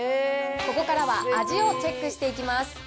ここからは味をチェックしていきます。